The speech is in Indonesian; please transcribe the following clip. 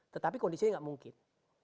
tetapi kondisi ini gak mungkin